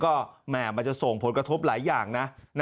ก็แหม่มันจะส่งผลกระทบหลายอย่างนะ